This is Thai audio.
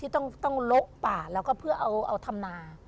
ต้องโละป่าแล้วก็เพื่อเอาทำนา